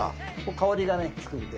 香りがつくんで。